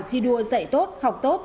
thi đua dạy tốt học tốt